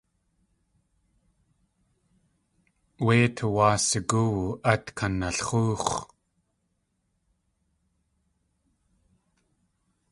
Wé i tuwáa sigóowu át kanalx̲óox̲.